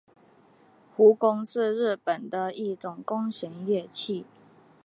胡弓是日本的一种弓弦乐器。